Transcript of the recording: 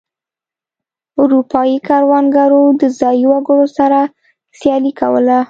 اروپايي کروندګرو د ځايي وګړو سره سیالي کوله.